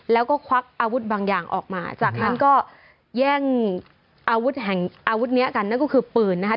แล้วก็ควักอาวุธบางอย่างออกมาจากนั้นก็แย่งอาวุธแห่งอาวุธนี้กันนั่นก็คือปืนนะคะ